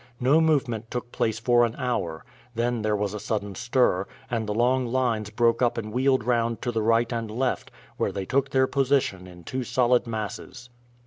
No movement took place for an hour; then there was a sudden stir, and the long lines broke up and wheeled round to the right and left, where they took up their position in two solid masses.